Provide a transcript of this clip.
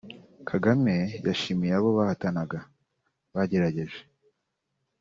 Kagame yashimiye abo bahatanaga ‘bagerageje’